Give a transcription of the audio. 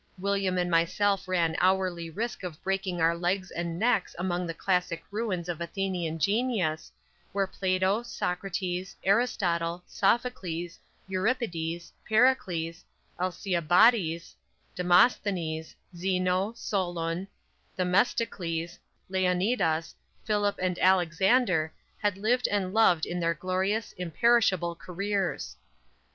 William and myself ran hourly risk of breaking our legs and necks among the classic ruins of Athenian genius, where Plato, Socrates, Aristotle, Sophocles, Euripides, Pericles, Alcibiades, Demosthenes, Zeno, Solon, Themestocles, Leonidas, Philip and Alexander had lived and loved in their glorious, imperishable careers.